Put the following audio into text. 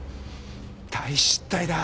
大失態だ！